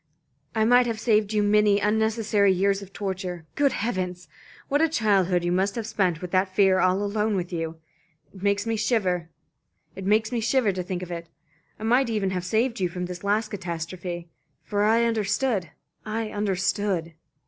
I might have saved you many unnecessary years of torture. Good heavens! what a childhood you must have spent with that fear all alone with you. It makes me shiver to think of it. I might even have saved you from this last catastrophe. For I understood. I understood."